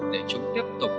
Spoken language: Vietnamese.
để chúng tiếp tục